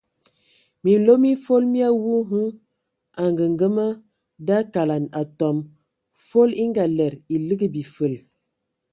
Minlo mi fol mi awu hm angəngəmə da akalɛn atɔm, fol e ngalɛdə e ligi bifəl.